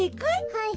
はい。